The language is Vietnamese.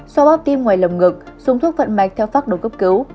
xóa bóp tim ngoài lồng ngực dùng thuốc vận mạch theo pháp đồ cấp cứu